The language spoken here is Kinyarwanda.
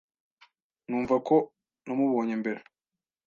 Numva ko namubonye mbere.